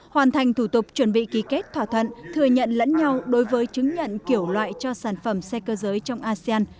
hoàn thành thủ tục chuẩn bị ký kết thỏa thuận thừa nhận lẫn nhau đối với chứng nhận kiểu loại cho sản phẩm xe cơ giới trong asean